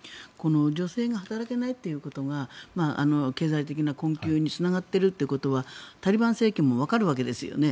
女性が働けないということが経済的な困窮につながっているということはタリバン政権もわかるわけですよね。